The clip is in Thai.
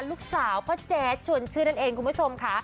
ลูกสาวพ่อแจ๊ดชวนชื่อนั่นเองคุณผู้ชมค่ะ